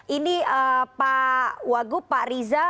ini pak wagup pak riza